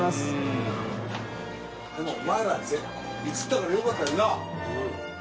でもお前ら映ったからよかったよな！